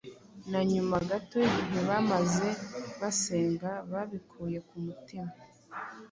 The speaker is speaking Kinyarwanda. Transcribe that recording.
na nyuma gato y’igihe bamaze basenga babikuye ku mutima,